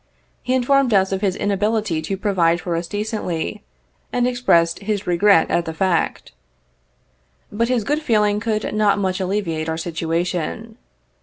He informed us of his inability to provide for us decently, and expressed his regret at the fact. But his good feeling could not much alleviate our situation.